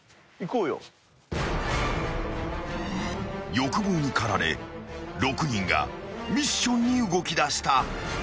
［欲望に駆られ６人がミッションに動きだした］